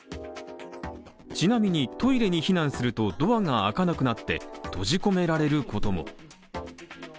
ちなみに、トイレに避難するとドアが開かなくなって閉じ込められることも。